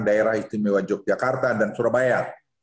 daerah istimewa yogyakarta dan surabaya